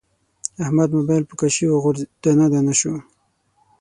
د احمد مبایل په کاشي و غورځید، دانه دانه شو.